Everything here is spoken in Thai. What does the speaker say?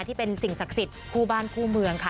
ที่เป็นสิ่งศักดิ์สิทธิ์คู่บ้านคู่เมืองค่ะ